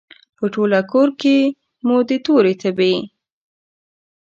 په ټوله کورکې کې مو د تورې تبې،